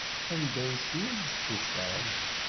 Anda ay ten-id-tufam?